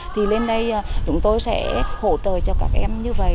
thì lên đây chúng tôi sẽ hỗ trợ cho các em như vậy